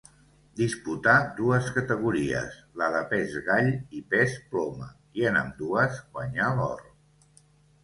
Disputà dues categories, la de pes gall i pes ploma i en ambdues guanyà l'or.